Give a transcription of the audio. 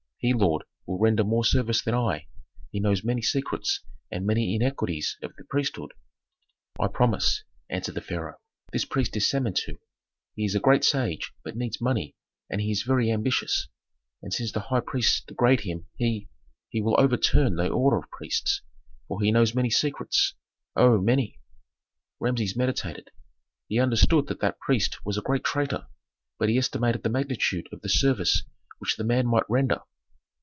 He, lord, will render more service than I. He knows many secrets and many iniquities of the priesthood." "I promise," answered the pharaoh. "This priest is Samentu. He is a great sage, but needs money, and he is very ambitious. And since the high priests degrade him he he will overturn the order of priests; for he knows many secrets oh, many!" Rameses meditated. He understood that that priest was a great traitor, but he estimated the magnitude of the service which the man might render.